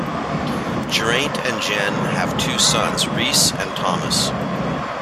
Geraint and Jen have two sons, Rhys and Thomas.